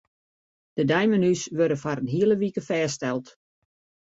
De deimenu's wurde foar in hiele wike fêststeld.